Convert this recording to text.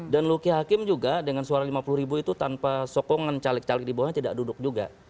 dan lukia hakim juga dengan suara lima puluh ribu itu tanpa sokongan caleg caleg di bawahnya tidak duduk juga